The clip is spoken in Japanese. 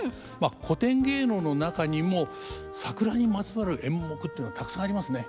古典芸能の中にも桜にまつわる演目っていうのたくさんありますね。